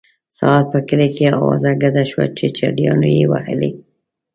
سهار په کلي کې اوازه ګډه شوه چې چړیانو یې وهلی.